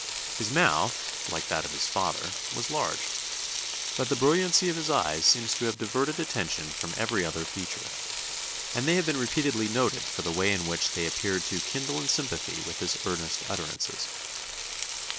His mouth, like that of his father, was large. But the brilliancy of his eyes seems to have diverted attention from every other feature; and they have been repeatedly noted for the way in which they appeared to kindle in sympathy with his earnest utterances.